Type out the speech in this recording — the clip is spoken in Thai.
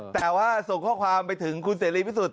แต่ว่าส่งข้อความไปถึงคุณเสรีพิสุทธิ